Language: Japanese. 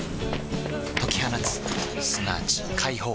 解き放つすなわち解放